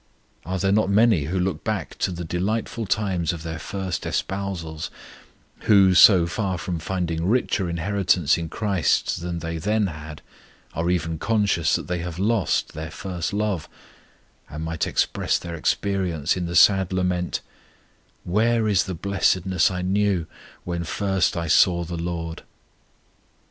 Are there not many who look back to the delightful times of their first espousals, who, so far from finding richer inheritance in CHRIST than they then had, are even conscious that they have lost their first love, and might express their experience in the sad lament: Where is the blessedness I knew When first I saw the Lord?